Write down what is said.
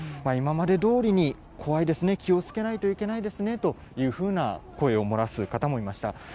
今までどおりに、怖いですね、気をつけないといけないですねというふうな声を漏らす方もいました。